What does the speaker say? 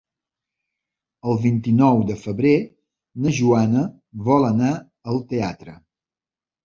El vint-i-nou de febrer na Joana vol anar al teatre.